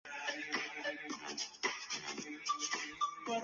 匈牙利领土上的所有邮局受控于匈牙利邮政管理局。